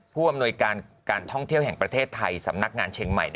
ผู้อำนวยการการท่องเที่ยวแห่งประเทศไทยสำนักงานเชียงใหม่